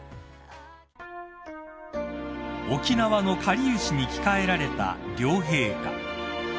［沖縄のかりゆしに着替えられた両陛下］